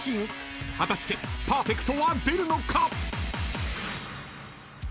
［果たしてパーフェクトは出るのか！？］